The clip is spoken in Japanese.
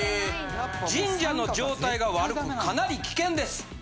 「神社の状態が悪くかなり危険です」。